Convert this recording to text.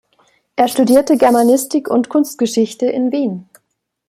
Er studierte Germanistik und Kunstgeschichte in Wien.